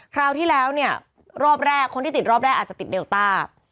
คราวที่แล้วเนี่ยรอบแรกคนที่ติดรอบแรกอาจจะติดเดลต้า